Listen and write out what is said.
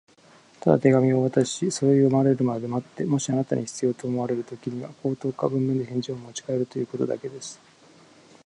「ただ手紙をお渡しし、それを読まれるまで待って、もしあなたに必要と思われるときには、口頭か文面で返事をもちかえるということだけです」